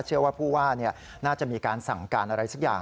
เชื่อว่าผู้ว่าน่าจะมีการสั่งการอะไรสักอย่าง